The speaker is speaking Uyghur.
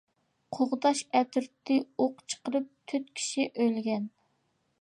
قوغداش ئەترىتى ئوق چىقىرىپ تۆت كىشى ئۆلگەن.